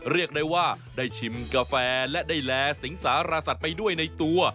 เรียกได้ว่าได้ชิมกาแฟและได้แลสิงสารสัตว์ไปด้วยในตัว